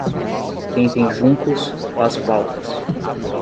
Quem tem juncos faz flautas.